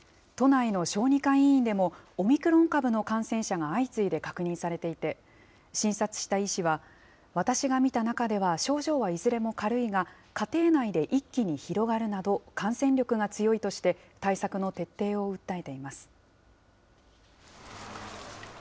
都内の小児科医院でも、オミクロン株の感染者が相次いで確認されていて、診察した医師は、私が診た中では症状はいずれも軽いが、家庭内で一気に広がるなど、感染力が強いとして、対策の徹底を訴えています。